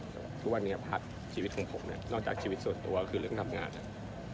คือว่านิยะพัฒน์ชีวิตของผมเน่นนอกจากชีวิตส่วนตัวคือเรื่องทำงาน